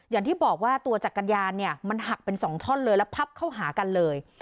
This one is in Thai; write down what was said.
อย่างที่บอกว่าตัวจักรยานเนี่ยมันหักเป็น๒ท่อนเลยแล้วพับเข้าหากันเลย